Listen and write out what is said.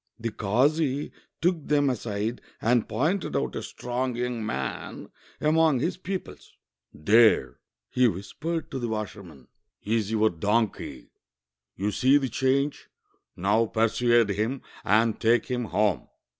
The kazi took them aside and pointed out a strong young man among his pupils. '"There," he whispered to the washerman, 76 THE WASHERIVIAN AND THE DONKEY "is your donkey. You sec the change: now persuade him and take him home."